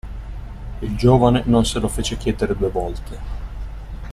Il giovane non se lo fece chiedere due volte.